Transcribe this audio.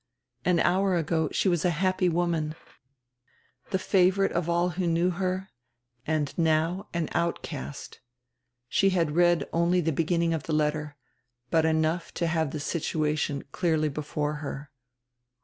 An hour ago she was a happy woman, die favorite of all who knew her, and now an outcast. She had read only die beginning of die letter, but enough to have die situation clearly before her.